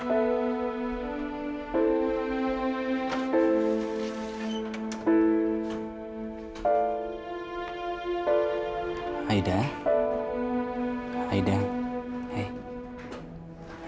oke saya juga